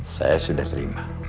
saya sudah terima